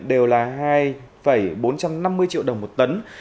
đều là hai bốn trăm năm mươi triệu đồng một tấn